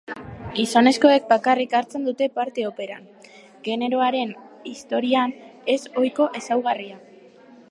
Gizonezkoek bakarrik hartzen dute parte operan, jeneroaren historian ez-ohiko ezaugarria.